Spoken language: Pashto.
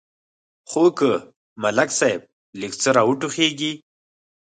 خو که ملک صاحب لږ څه را وټوخېږي.